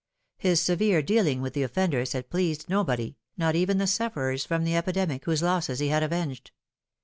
His severe dealing with the offenders had pleased nobody, not even the sufferers from the epidemic, whose losses he had avenged.